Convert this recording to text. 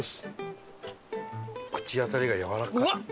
口当たりがやわらかっ。